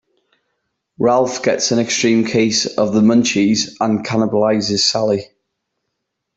Ralph gets an extreme case of the munchies and cannibalizes Sally.